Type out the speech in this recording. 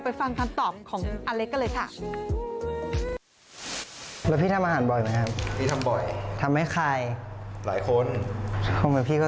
พี่อเล็กเคยทำอาหารให้ใครกินบ้างหรือเปล่า